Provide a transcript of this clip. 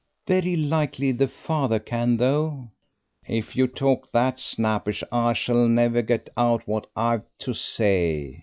"Very likely; the father can, though." "If you talk that snappish I shall never get out what I've to say.